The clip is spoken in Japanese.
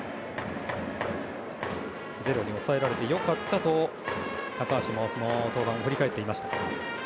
ゼロに抑えられてよかったと高橋もその登板を振り返っていました。